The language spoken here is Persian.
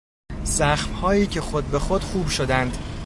زخمهایی که خود به خود خوب شدند